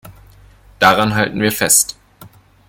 Daran halten wir fest.